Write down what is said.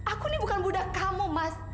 aku ini bukan budak kamu mas